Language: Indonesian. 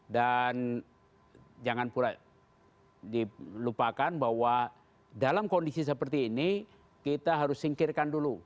dan jangan pula dilupakan bahwa dalam kondisi seperti ini kita harus singkirkan dulu